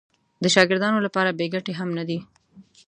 د شاګردانو لپاره بې ګټې هم نه دي.